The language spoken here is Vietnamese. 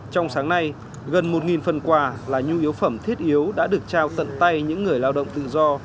trong sáng nay gần một phần quà là nhu yếu phẩm thiết yếu đã được trao tận tay những người lao động tự do